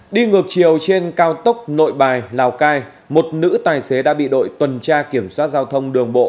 đi ngược chiều trên cao tốc nội bài lào cai một nữ tài xế đã bị đội tuần tra kiểm soát giao thông đường bộ